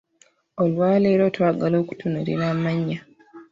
Olwaleero twagala okutunuulira amannya.